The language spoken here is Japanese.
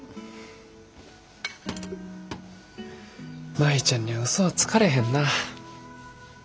舞ちゃんにはうそはつかれへんなぁ。